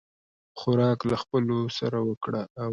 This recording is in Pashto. خوراک له خپلو سره وکړه او